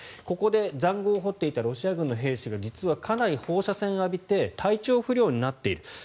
ここで塹壕を掘っていたロシア軍の兵士が実はかなり放射線を浴びて体調不良になっている。